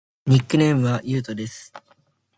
ニックネームはゆうとです。